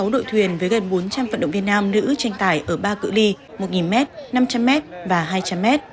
ba mươi sáu đội thuyền với gần bốn trăm linh vận động viên nam nữ tranh tài ở ba cử ly một m năm trăm linh m và hai trăm linh m